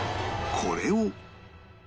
これを